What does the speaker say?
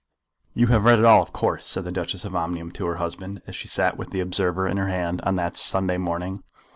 "You have read it all, of course," said the Duchess of Omnium to her husband, as she sat with the Observer in her hand on that Sunday morning.